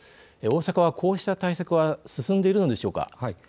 大阪はこうした対策は進んでいるのでしょうか。